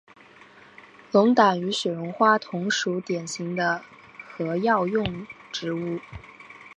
龙胆与雪绒花同属典型的和药用植物。